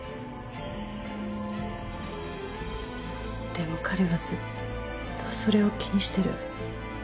でも彼はずっとそれを気にしてる。